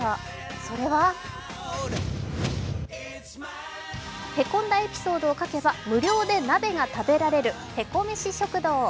それはへこんだエピソードを書けば無料で鍋が食べられるヘコメシ食堂。